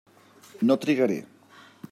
No trigaré.